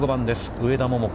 上田桃子。